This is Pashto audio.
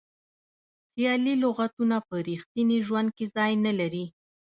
خیالي لغتونه په ریښتیني ژوند کې ځای نه لري.